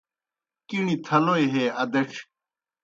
کِݨیْ تھلوئی ہے ادڇھیْ